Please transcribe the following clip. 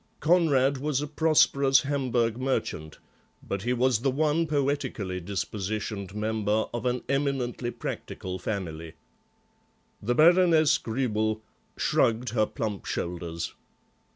Conrad was a prosperous Hamburg merchant, but he was the one poetically dispositioned member of an eminently practical family. The Baroness Gruebel shrugged her plump shoulders.